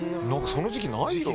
その時期ないよ。